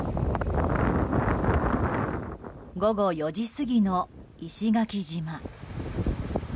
午後４時過ぎの石垣島。